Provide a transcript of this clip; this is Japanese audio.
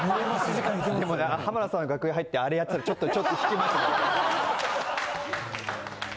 でもな浜田さんの楽屋入ってあれやったらちょっとちょっと引きますね。